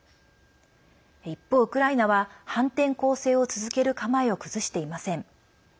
一方、ウクライナは反転攻勢を続ける構えを崩していません。